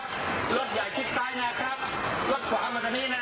มาต้องมาแล้วนะ